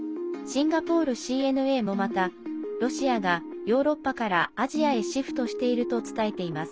シンガポールＣＮＡもまたロシアがヨーロッパからアジアへシフトしていると伝えています。